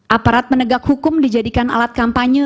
aparat penegak hukum dijadikan alat kampanye